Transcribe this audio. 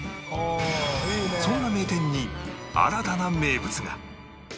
そんな名店に新たな名物が